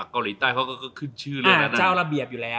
เกาหลีใต้เขาก็ขึ้นชื่อเรื่องแล้วนะเจ้าระเบียบอยู่แล้ว